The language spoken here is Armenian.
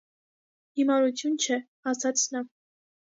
հիմարություն չէ,- ասաց նա: